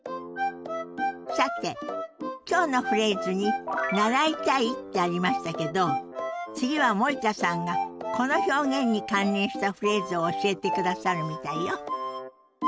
さて今日のフレーズに「習いたい」ってありましたけど次は森田さんがこの表現に関連したフレーズを教えてくださるみたいよ。